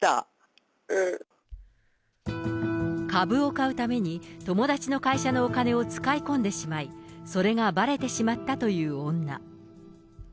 株を買うために、友達の会社のお金を使い込んでしまい、それがばれてしまったという女。